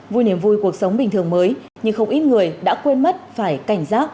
vui niềm vui cuộc sống bình thường mới nhưng không ít người đã quên mất phải cảnh giác